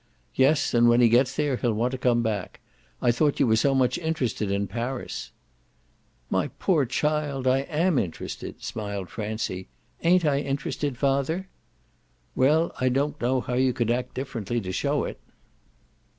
"Yes, and when he gets there he'll want to come back. I thought you were so much interested in Paris." "My poor child, I AM interested!" smiled Francie. "Ain't I interested, father?" "Well, I don't know how you could act differently to show it."